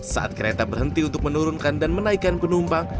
saat kereta berhenti untuk menurunkan dan menaikkan penumpang